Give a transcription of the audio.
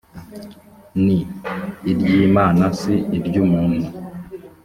ni iry imana si iry umuntu